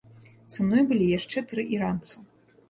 Са мной былі яшчэ тры іранца.